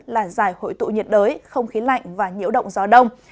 là giải hội tụ nhiệt đới không khí lạnh và nhiễu động gió đông